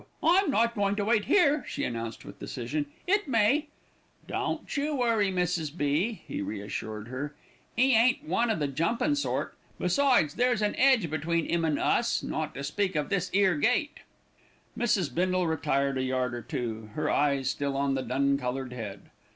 I'm not going to wait here," she announced with decision. "It may " "Don't you worry, Mrs. B.," he reassured her. "'E ain't one o' the jumpin' sort. Besides, there's an 'edge between 'im an' us, not to speak o' this 'ere gate." Mrs. Bindle retired a yard or two, her eyes still on the dun coloured head.